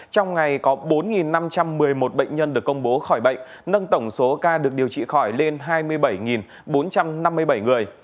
trong ngày có bốn năm trăm một mươi một bệnh nhân được công bố khỏi bệnh nâng tổng số ca được điều trị khỏi lên hai mươi bảy bốn trăm năm mươi bảy người